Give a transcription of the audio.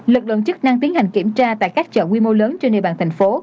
lực lượng chức năng tiến hành kiểm tra tại các chợ quy mô lớn trên địa bàn tp hcm